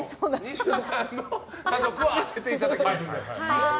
西野さんの家族を当てていただきますので。